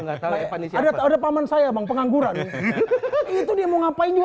enggak tahu ada paman saya bang pengangguran itu dia mau ngapain juga enggak ada yang tahu